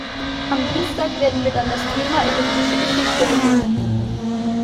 Am Dienstag werden wir dann das Thema ägyptische Geschichte beginnen.